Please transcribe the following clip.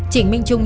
trịnh minh trung